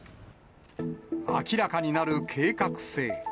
明らかになる計画性。